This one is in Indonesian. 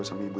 lama lagi ya